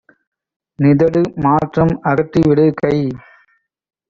நீதடு மாற்றம் அகற்றிவிடு! - கை